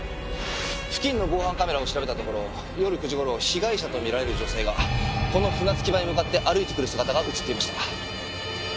付近の防犯カメラを調べたところ夜９時頃被害者と見られる女性がこの船着き場に向かって歩いてくる姿が映っていました。